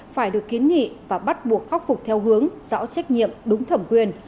phải được kiến nghị và bắt buộc khắc phục theo hướng rõ trách nhiệm đúng thẩm quyền